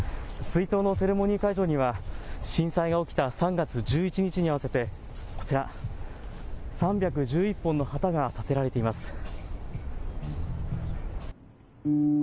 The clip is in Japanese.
追悼のセレモニー会場には震災が起きた３月１１日に合わせてこちら、３１１本の旗が立てられています。